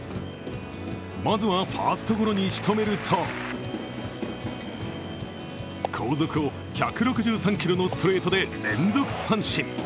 まずはファーストゴロにしとめると後続を１６３キロのストレートで連続三振。